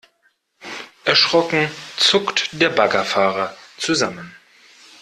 Erschrocken zuckt der Baggerfahrer zusammen.